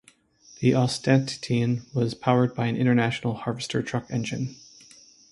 The Ostentatienne was powered by an International Harvester truck engine.